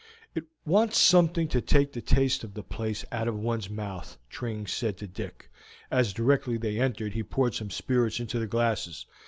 "It wants something to take the taste of that place out of one's mouth," Tring said to Dick, as, directly they entered, he poured some spirits into the glasses.